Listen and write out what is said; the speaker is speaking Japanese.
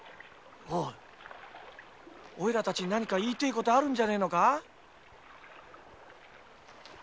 おいらたちに何か言いてえことあるんじゃねえのか？